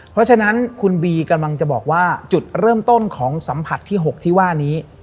เพราะฉะนั้นคุณบีกำลังจะบอกว่าจุดเริ่มต้นของสัมผัสที่๖ที่ว่านี้